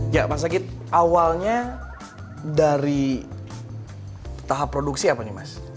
ya mas sakit awalnya dari tahap produksi apa nih mas